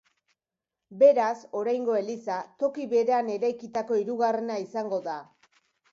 Beraz oraingo eliza toki berean eraikitako hirugarrena izango da.